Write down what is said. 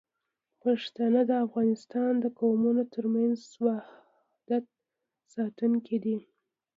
پښتانه د افغانستان د قومونو ترمنځ وحدت ساتونکي دي.